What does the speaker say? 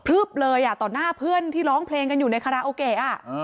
ึบเลยต่อหน้าเพื่อนที่ร้องเพลงกันอยู่ในคาราโอเกะ